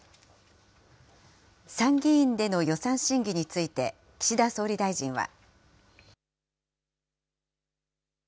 参議院での予算審議について、岸田総理大臣は。